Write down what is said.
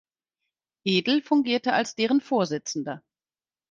Edel fungierte als deren Vorsitzender.